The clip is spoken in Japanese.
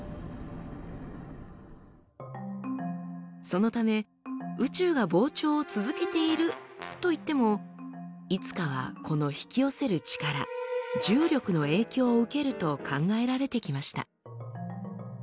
そのため宇宙が膨張を続けているといってもいつかはこの引き寄せる力重力の影響を受けると考えられてきました。